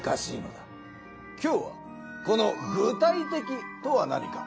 今日はこの「具体的」とは何か。